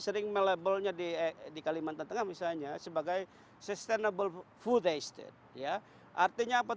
sering melabelnya di kalimantan tengah misalnya sebagai sustainable food estate ya artinya apa